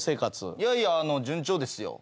いやいや順調ですよ。